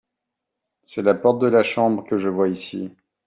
c'est la porte de la chambre que je vois ici.